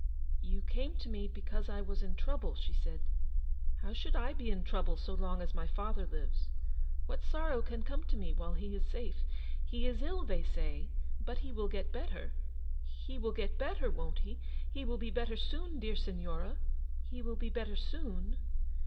" You came to me because I was in trouble/' she said. " How should I be in trouble so long as my father lives ? What sorrow can come to me while he is safe ? He is ill, they say, but he will get better; he will get better, won't he? He will be better soon, dear Signora; he will be better soon